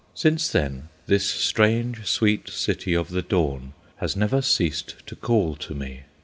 Since then, this strange sweet city of the dawn has never ceased to call to me.